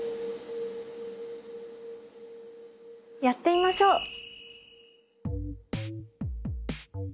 やってみましょう。